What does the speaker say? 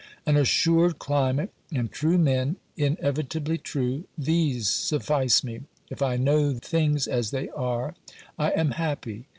An assured climate and true men, inevitably true — these suffice me. If I know things as they are, I am happy.